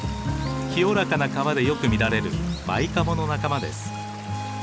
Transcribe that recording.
清らかな川でよく見られるバイカモの仲間です。